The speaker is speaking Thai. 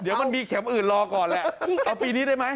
เดี๋ยวมันมีเข็มอื่นรอก่อนแหละเอาปีนี้ได้ไหม